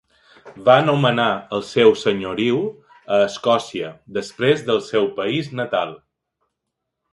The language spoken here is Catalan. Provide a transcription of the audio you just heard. Va nomenar el seu senyoriu a Escòcia després del seu país natal.